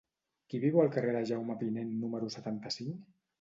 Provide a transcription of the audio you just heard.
Qui viu al carrer de Jaume Pinent número setanta-cinc?